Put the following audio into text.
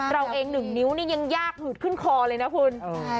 เราเอง๑นิ้วนี่ยังยากหืดขึ้นคอเลยนะคุณ